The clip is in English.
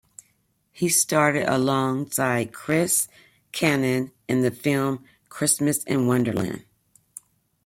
He starred alongside Chris Kattan in the film "Christmas in Wonderland".